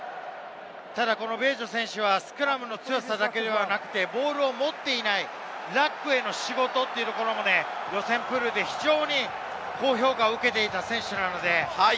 ベージョ選手はスクラムの強さだけではなくて、ボールを持っていないラックでの仕事も予選プールで非常に高評価を受けていた選手です。